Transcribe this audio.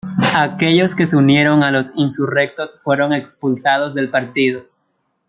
Aquellos que se unieron a los insurrectos fueron expulsados del partido.